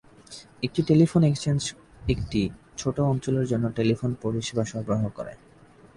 একটি telephone exchange একটি ছোট অঞ্চলের জন্য টেলিফোন পরিষেবা সরবরাহ করে।